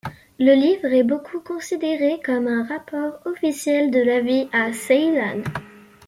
Le livre est beaucoup considéré comme un rapport officiel de la vie à Ceylan.